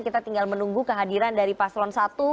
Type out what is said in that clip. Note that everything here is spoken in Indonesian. kita tinggal menunggu kehadiran dari paslon satu